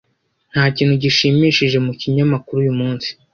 Nta kintu gishimishije mu kinyamakuru uyu munsi.